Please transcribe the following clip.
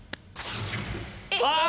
ああ！